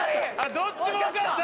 どっちもわかった！